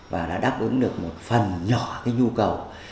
và đã đáp ứng được một phần nhỏ cái nhu cầu